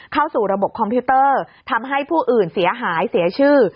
เข้าสู่ระบบคอมพิวเตอร์ทำให้ผู้อื่นเสียหายเสียชื่อ